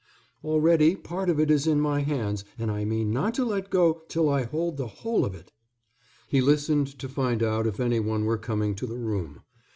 Already part of it is in my hands, and I mean not to let go till I hold the whole of it." He listened to find out if anyone were coming to the room.